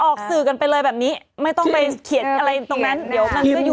ออกสื่อกันไปเลยแบบนี้ไม่ต้องไปเขียนอะไรตรงนั้นเดี๋ยวมันก็อยู่